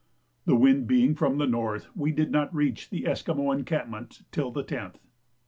The wind being from the north, we did not reach the Esquimaux encampment till the 10th.